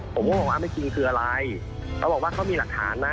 ผมก็บอกว่าไม่จริงคืออะไรเขาบอกว่าเขามีหลักฐานนะ